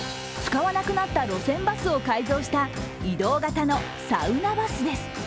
使わなくなった路線バスを改造した移動型のサウナバスです。